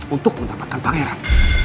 untuk mendapatkan pangeran